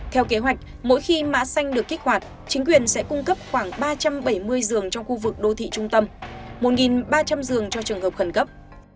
theo kế hoạch mỗi khi mã xanh được kích hoạt chính quyền sẽ cung cấp khoảng ba trăm bảy mươi giường trong khu vực đô thị trung tâm một ba trăm linh giường cho trường hợp khẩn cấp